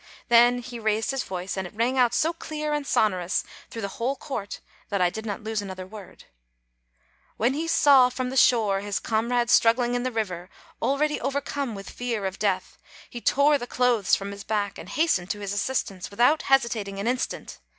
Then he raised his voice, and it rang out so clear and sonorous through the whole court, that I did not lose another word: "When he saw, from the shore, his comrade struggling in the river, already overcome with fear of death, he tore the clothes from his back, and hastened to his assistance, without hesitating an instant.